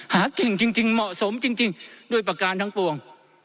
หาเก่งจริงเหมาะสมจริงด้วยประการทั้งปวง